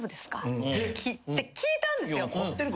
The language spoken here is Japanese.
聞いたんですよ。